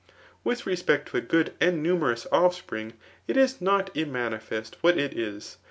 With respect to a good and numerous (^spring itia not immanifest what it is.